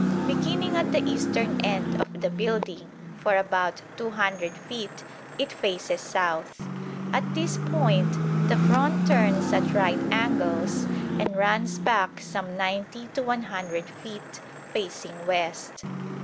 Beginning at the eastern end of the building, for about 200 feet it faces south. At this point the front turns at right angles and runs back some 90 to 100 feet, facing west.